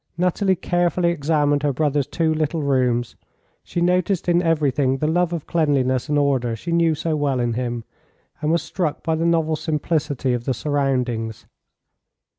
Nathalie carefully examined her brother's two little rooms. She noticed in everything the love of cleanliness and order she knew so well in him, and was struck by the novel simplicity of the surroundings.